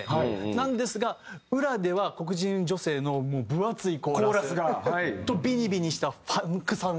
なんですが裏では黒人女性の分厚いコーラスとビリビリしたファンクサウンド。